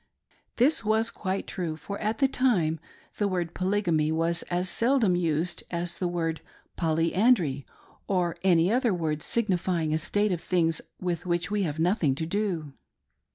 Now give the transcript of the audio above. This was quite true, for at that time the word Polygamy was as seldom used as the word ' polyandry,' or any other word signifying a state of things with which we have nothing to do.